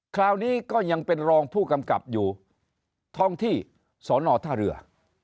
คราวนี้ก็ยังเป็นรองผู้กำกับอยู่ท้องที่สอนอท่าเรือ